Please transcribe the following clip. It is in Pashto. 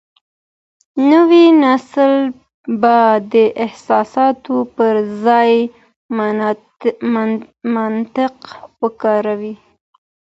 نوی نسل به د احساساتو پر ځای منطق وکاروي.